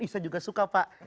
ih saya juga suka pak